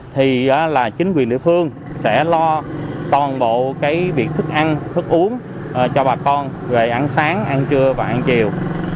thì chính quyền địa phương sẽ lo toàn bộ cái việc thức ăn thức uống cho bà con về ăn sáng ăn trưa và ăn chiều